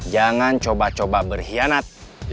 jangan coba coba berkhianat